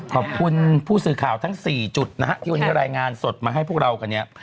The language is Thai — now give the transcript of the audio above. ขอบคุณผู้สื่อข่าวทั้ง๔จุดนะฮะที่วันนี้รายงานสดมาให้พวกเรากันเนี่ย